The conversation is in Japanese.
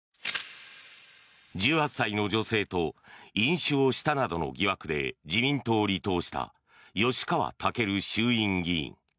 １８歳の女性と飲酒をしたなどの疑惑で自民党を離党した吉川赳衆院議員。